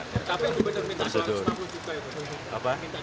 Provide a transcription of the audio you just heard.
tapi itu benar benar minta staf lu juga ya pak